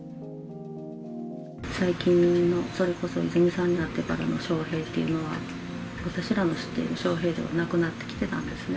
最近の、和美さんになってからの章平というのは、私らの知っている章平ではなくなってきていたんですね。